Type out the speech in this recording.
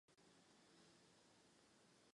Jeho potomci v Německu žili ještě ve dvacátém století.